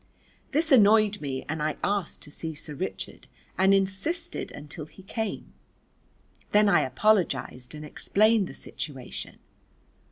This annoyed me and I asked to see Sir Richard, and insisted until he came. Then I apologised and explained the situation.